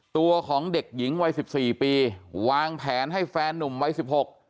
ตัวของเด็กหญิงวัย๑๔ปีวางแผนให้แฟนหนุ่มวัย๑๖ปี